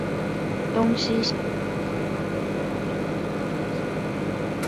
東西向快速公路高雄潮州線